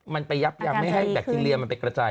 มันไปยับยั้งไม่ให้แบคทีเรียมันไปกระจาย